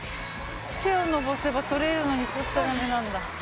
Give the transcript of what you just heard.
手を伸ばせば採れるのに採っちゃダメなんだ。